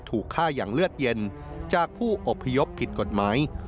ถูกฆ่าอย่างเลือดเย็นจากผู้อบพยพผิดกฎหมาย